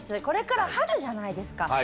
これから春じゃないですか。